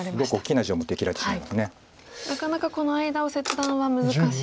なかなかこの間を切断は難しい。